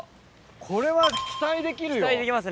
これは期待できるよ。